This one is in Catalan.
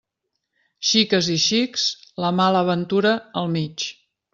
Xiques i xics, la mala ventura al mig.